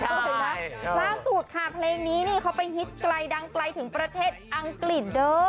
ล่าสุดค่ะเพลงนี้นี่เขาไปฮิตไกลดังไกลถึงประเทศอังกฤษเด้อ